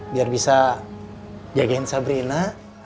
biar bisa jagain sabrina